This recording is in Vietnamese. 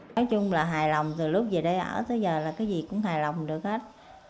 nói chung là hài lòng từ lúc về đây ở tới giờ là cái gì cũng hài lòng được hết